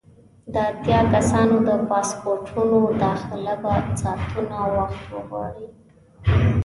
د اتیا کسانو د پاسپورټونو داخله به ساعتونه وخت وغواړي.